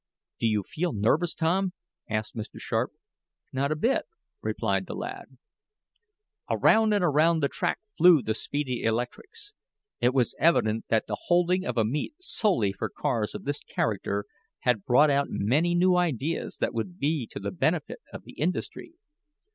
"Do you feel nervous, Tom?" asked Mr. Sharp. "Not a bit," replied the lad. Around and around the track flew the speedy electrics. It was evident that the holding of a meet solely for cars of this character had brought out many new ideas that would be to the benefit of the industry.